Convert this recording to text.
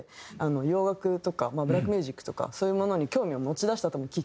洋楽とかまあブラックミュージックとかそういうものに興味を持ちだしたきっかけがＡＩさんだと思う。